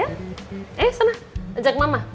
bikin kamu nah sana